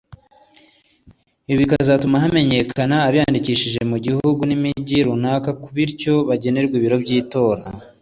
ibi bikazatuma hamenyekane abiyandikishije mu gihugu n’imijyi runaka bityo bagenerwe ibiro by’itora